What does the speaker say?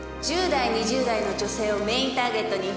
１０代２０代の女性をメーンターゲットに。